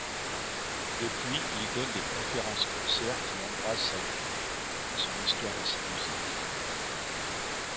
Depuis, il donne des conférences-concerts qui embrassent sa vie, son histoire et sa musique.